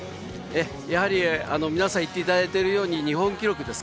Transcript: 皆さんが言っていただいているとおり日本記録です。